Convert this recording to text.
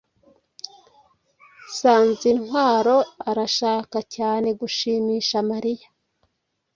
Sanzintwaro arashaka cyane gushimisha Mariya.